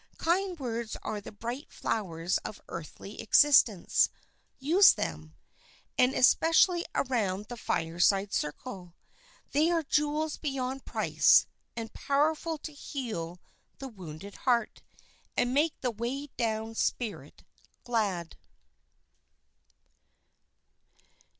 Kind words are the bright flowers of earthly existence; use them, and especially around the fireside circle. They are jewels beyond price, and powerful to heal the wounded heart, and make the weighed down spirit glad.